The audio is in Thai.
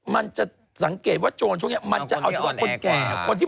มันจะสังเกตว่าโจรช่วงนี้